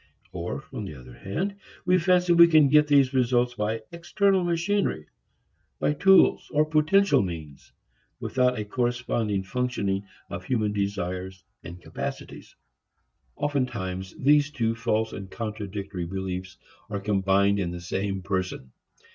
Or, on the other hand, we fancy we can get these results by external machinery, by tools or potential means, without a corresponding functioning of human desires and capacities. Often times these two false and contradictory beliefs are combined in the same person.